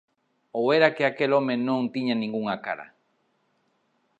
Ou era que aquel home non tiña ningunha cara